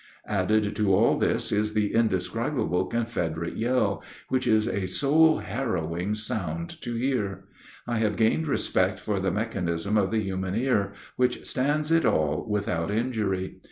Added to all this is the indescribable Confederate yell, which is a soul harrowing sound to hear. I have gained respect for the mechanism of the human ear, which stands it all without injury.